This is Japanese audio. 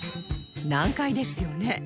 難解ですよね